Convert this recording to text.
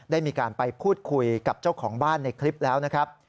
ได้มีการไปพูดคุยกับเจ้าของบ้านในคลิปแล้วนะครับ